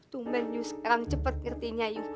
tuman iu sekarang cepet ngertinya iu